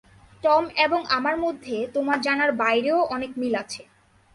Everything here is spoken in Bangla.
টম এবং আমার মধ্যে তোমার জানার বাইরেও অনেক মিল আছে।